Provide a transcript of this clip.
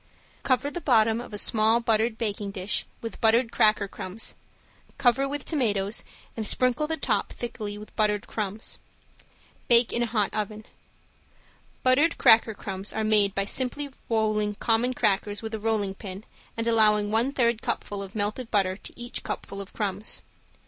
Cover the bottom of a small buttered baking dish with buttered cracker crumbs, cover with tomatoes and sprinkle the top thickly with buttered crumbs. Bake in a hot oven. Buttered cracker crumbs are made by simply rolling common crackers with a rolling pin and allowing one third cupful of melted butter to each cupful of crumbs.